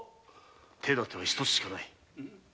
手だては一つしかない。